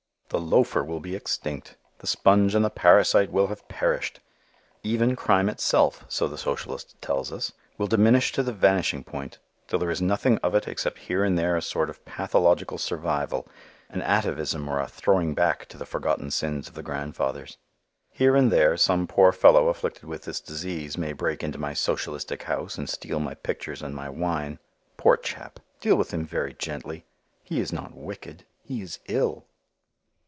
The loafer will be extinct. The sponge and the parasite will have perished. Even crime itself, so the socialist tells us, will diminish to the vanishing point, till there is nothing of it except here and there a sort of pathological survival, an atavism, or a "throwing back" to the forgotten sins of the grandfathers. Here and there, some poor fellow afflicted with this disease may break into my socialistic house and steal my pictures and my wine. Poor chap! Deal with him very gently. He is not wicked. He is ill.